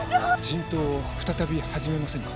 人痘を再び始めませぬか？